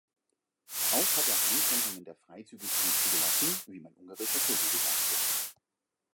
Auch hat er Einschränkungen der Freizügigkeit zugelassen, wie mein ungarischer Kollege sagte.